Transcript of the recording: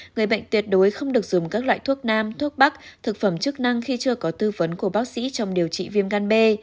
người bệnh tuyệt đối không được dùng các loại thuốc nam thuốc bắc thực phẩm chức năng khi chưa có tư vấn của bác sĩ trong điều trị viêm gan b